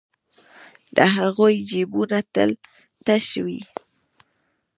د هغوی جېبونه تل تش وي